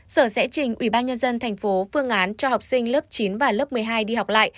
sở sẽ trình ubnd tp phương án cho học sinh lớp chín và lớp một mươi hai đi học lại